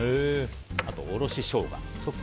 あと、おろしショウガ。